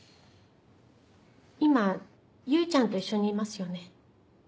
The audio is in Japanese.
今唯ちゃんと一緒にいますよね？